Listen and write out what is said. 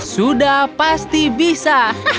sudah pasti bisa